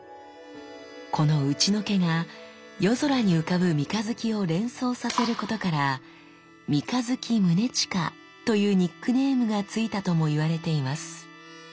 この打除けが夜空に浮かぶ三日月を連想させることから三日月宗近というニックネームが付いたとも言われています。